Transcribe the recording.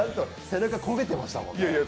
背中焦げてましたもんね。